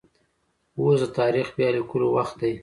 اوس د تاريخ بيا ليکلو وخت دی.